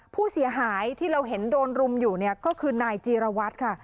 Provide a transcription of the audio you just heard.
ผู้เสียหายที่เราเห็นโดนรุมอยู่เนี่ยก็คือนายจีรวัตรค่ะ